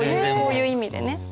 こういう意味でね。